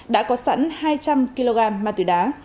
đã có sẵn hai đối tượng